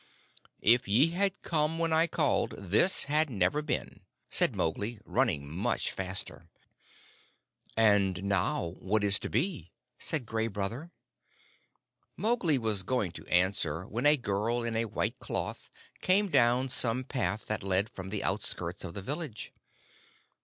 "If ye had come when I called, this had never been," said Mowgli, running much faster. "And now what is to be?" said Gray Brother. Mowgli was just going to answer when a girl in a white cloth came down some path that led from the outskirts of the village.